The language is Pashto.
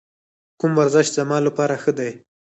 کوم ورزش زما لپاره ښه دی؟